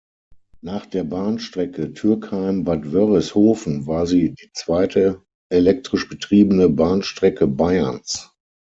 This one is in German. Nach der Bahnstrecke Türkheim–Bad Wörishofen war sie die zweite elektrisch betriebene Bahnstrecke Bayerns.